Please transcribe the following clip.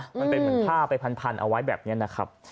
มันเป็นเหมือนผ้าไปพันเอาไว้แบบนี้นะครับ